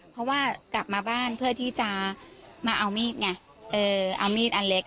เพราะว่ากลับมาบ้านเพื่อที่จะมาเอามีดไงเอามีดอันเล็ก